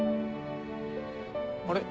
あれ？